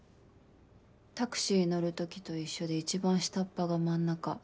タクシー乗る時と一緒で一番下っ端が真ん中。